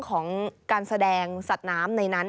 ของการแสดงสัตว์น้ำในนั้น